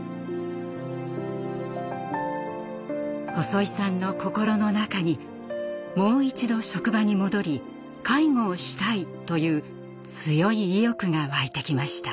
細井さんの心の中にもう一度職場に戻り「介護をしたい」という強い意欲が湧いてきました。